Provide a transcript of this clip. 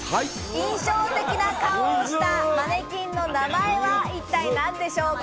印象的な顔をしたマネキンの名前は一体何でしょうか？